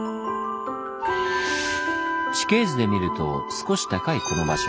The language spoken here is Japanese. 地形図で見ると少し高いこの場所。